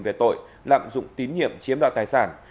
về tội lạm dụng tín nhiệm chiếm đoạt tài sản